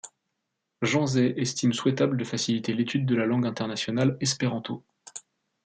Jean Zay estime souhaitable de faciliter l’étude de la langue internationale espéranto.